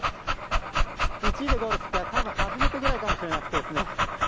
１位でゴールしたのは初めてぐらいかもしれなくてですね